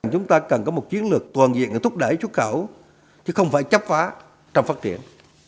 chúng ta cần có một chiến lược toàn diện để thúc đẩy xuất khẩu chứ không phải chấp phá trong phát triển